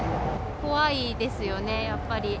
怖いですよね、やっぱり。